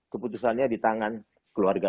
keputusannya di tangan keluarga